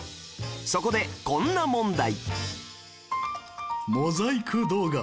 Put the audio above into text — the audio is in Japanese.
そこでこんな問題